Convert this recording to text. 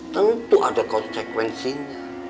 tentu ada konsekuensinya